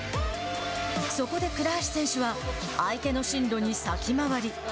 そこで倉橋選手は相手の進路に先回り。